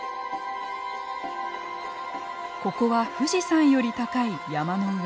ここは富士山より高い山の上。